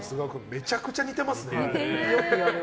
めちゃくちゃ似てますね。